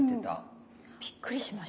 びっくりしました。